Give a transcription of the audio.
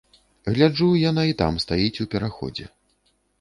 Гляджу, яна і там стаіць у пераходзе.